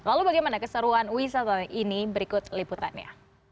lalu bagaimana keseruan wisata ini berikut liputannya